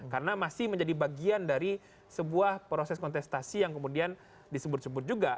karena masih menjadi bagian dari sebuah proses kontestasi yang kemudian disebut sebut juga